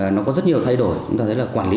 nó có rất nhiều thay đổi chúng ta thấy là quản lý